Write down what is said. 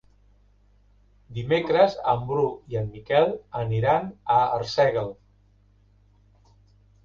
Dimecres en Bru i en Miquel aniran a Arsèguel.